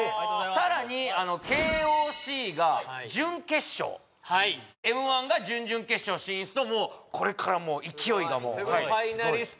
さらにＫＯＣが準決勝Ｍ−１が準々決勝進出のもうこれからもう勢いがすごい